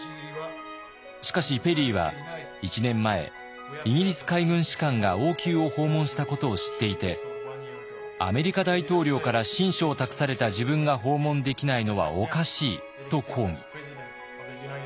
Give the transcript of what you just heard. しかしペリーは１年前イギリス海軍士官が王宮を訪問したことを知っていてアメリカ大統領から親書を託された自分が訪問できないのはおかしいと抗議。